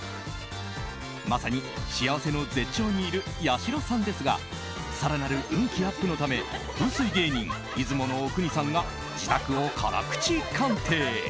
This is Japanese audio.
まさに幸せの絶頂にいるやしろさんですが更なる運気アップのため風水芸人・出雲阿国さんが自宅を辛口鑑定。